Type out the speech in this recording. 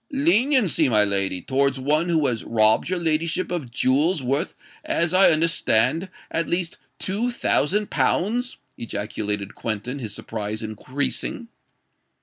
"Leniency, my lady, towards one who has robbed your ladyship of jewels worth, as I understand, at least two thousand pounds!" ejaculated Quentin, his surprise increasing.